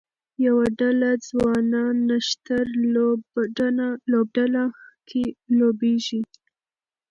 یوه ډله ځوانان نښتر لوبډله کې لوبیږي